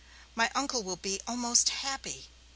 My uncle will be almost happy.